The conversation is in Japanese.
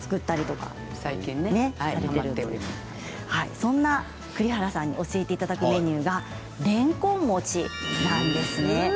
そんな栗原さんに教えていただくメニューがれんこん餅なんですね。